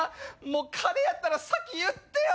もうカレーやったら先言ってよ。